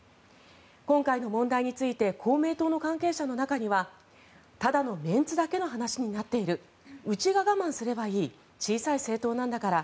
今回の問題について公明党の関係者の中にはただのメンツだけの話になっているうちが我慢すればいい小さい政党なんだから。